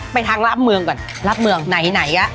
ไปทางรับเมืองก่อนรับเมืองไหนไหนอ่ะ